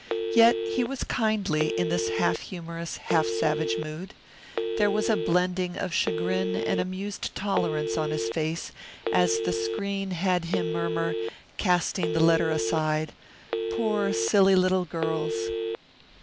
Yet he was kindly, in this half humorous, half savage mood. There was a blending of chagrin and amused tolerance on his face as the screen had him murmur, casting the letter aside, "Poor, Silly Little Girls!"